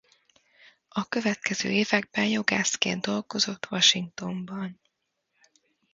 A következő években jogászként dolgozott Washingtonban.